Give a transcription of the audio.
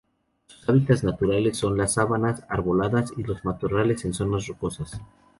Sus hábitats naturales son las sabanas arboladas y los matorrales en zonas rocosas.